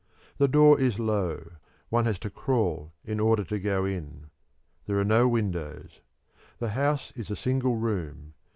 The door is low one has to crawl in order to go in. There are no windows. The house is a single room.